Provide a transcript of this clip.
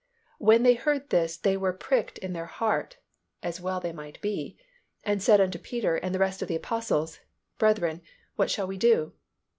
When they heard this, they were pricked in their heart," as well they might be, "and said unto Peter and the rest of the Apostles, Brethren, what shall we do?"